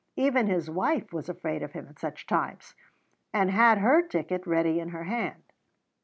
Even his wife was afraid of him at such times, and had her ticket ready in her hand.